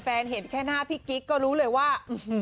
เห็นแค่หน้าพี่กิ๊กก็รู้เลยว่า